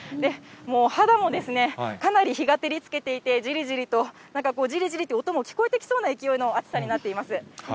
もう肌もかなり日が照りつけていて、じりじりと、なんかじりじりという音も聞こえてきそうな勢いの暑さになっています。